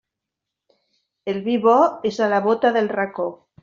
El vi bo és a la bóta del racó.